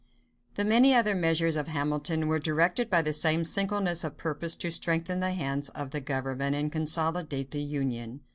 The many other measures of Hamilton were directed by the same singleness of purpose to strengthen the hands of the government and consolidate the Union.